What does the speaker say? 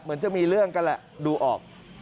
เหมือนจะมีเรื่องกันแหละดูออก